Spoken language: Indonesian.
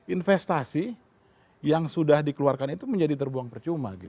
investasi yang sudah dikeluarkan itu menjadi terbuang percuma